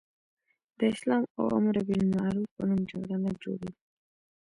د اسلام او امر بالمعروف په نوم جګړه نه جوړېدله.